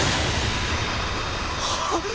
はっ！？